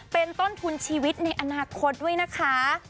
เป็นต้นทุนชีวิตในอนาคตด้วยนะคะ